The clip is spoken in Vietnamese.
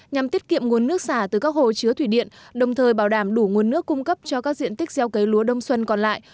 nhằm tiết kiệm nguồn nước xả từ các hồ chứa thủy điện đồng thời bảo đảm đủ nguồn nước cung cấp cho các diện tích gieo cấy lúa đông xuân còn lại